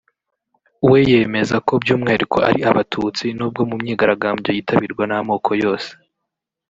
we yemeza ko by’umwihariko ari Abatutsi nubwo mu myigaragambyo yitabirwa n’amoko yose